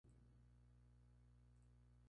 Primo de Verdad y Talamantes murieron en prisión.